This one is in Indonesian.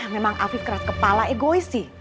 memang afif keras kepala egois sih